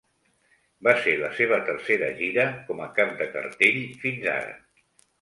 Va ser la seva tercera gira com a cap de cartell fins ara.